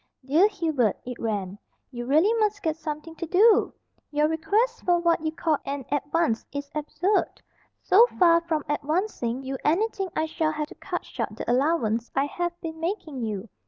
"Dear Hubert," it ran, "you really must get something to do! Your request for what you call an advance is absurd. So far from advancing you anything I shall have to cut short the allowance I have been making you.